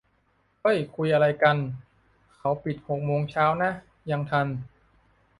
เฮ้ย คุยอะไรกัน ! เขาปิดหกโมงเช้านะ ยังทัน